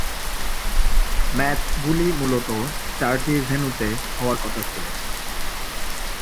ম্যাচগুলি মূলত চারটি ভেন্যুতে হওয়ার কথা ছিল।